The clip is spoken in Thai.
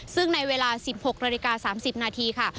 ซึ่งในเวลา๑๖นาฬิกา๓๐นาทีค่ะ